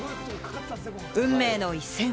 運命の一戦。